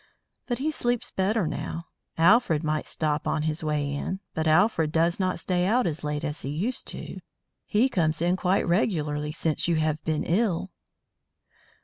"But he sleeps better now. Alfred might stop on his way in; but Alfred does not stay out as late as he used to. He comes in quite regularly since you have been ill."